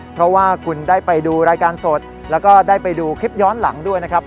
เพราะว่าคุณได้ไปดูรายการสดแล้วก็ได้ไปดูคลิปย้อนหลังด้วยนะครับ